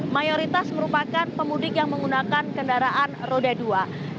mayoritas merupakan pemudik yang menggunakan kendaraan roda dua